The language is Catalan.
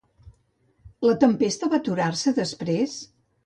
La tempesta va aturar-se després?